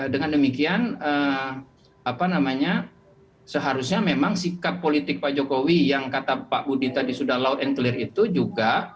dengan demikian seharusnya memang sikap politik pak jokowi yang kata pak budi tadi sudah loud and clear itu juga